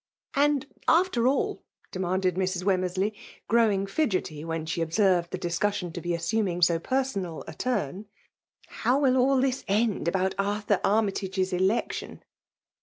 *"" And, after all," demanded Mrs. Wemmer^ ley, growing fidgetty when she observed the discussion to be assuming so personal a turn, ^ how will all this end about Arthur Arrays tage*s ekotion